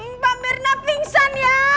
mbak mirna pingsan ya